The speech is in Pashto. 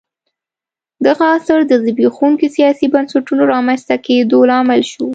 دغه عصر د زبېښونکو سیاسي بنسټونو رامنځته کېدو لامل شو